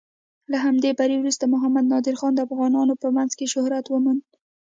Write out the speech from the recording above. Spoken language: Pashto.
له همدې بري وروسته محمد نادر خان د افغانانو په منځ کې شهرت وموند.